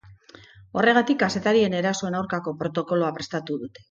Horregatik, kazetarien erasoen aurkako protokoloa prestatu dute.